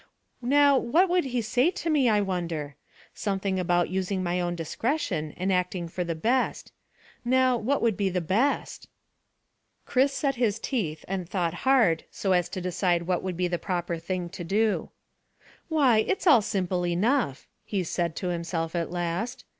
Now, what would he say to me, I wonder? Something about using my own discretion and acting for the best. Now, what would be the best?" Chris set his teeth and thought hard so as to decide what would be the proper thing to do. "Why, it's all simple enough," he said to himself at last.